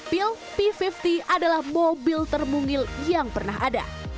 pil p lima puluh adalah mobil termungil yang pernah ada